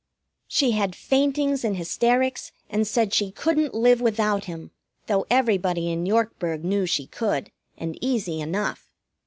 She had faintings and hysterics, and said she couldn't live without him, though everybody in Yorkburg knew she could, and easy enough.